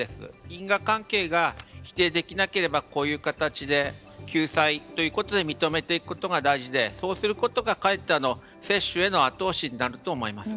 因果関係が否定できなければこういう形で救済ということで認めていくことが大事でそうすることがかえって接種への後押しになると思います。